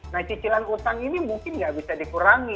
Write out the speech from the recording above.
nah cicilan utang ini mungkin nggak bisa dikurangi